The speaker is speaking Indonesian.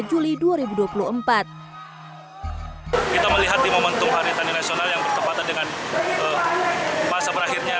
juli dua ribu dua puluh empat kita melihat di momentum hari tani nasional yang bertepatan dengan masa berakhirnya